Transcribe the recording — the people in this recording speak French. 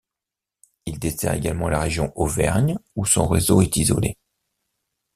Il dessert également la Région Auvergne où son réseau est isolé.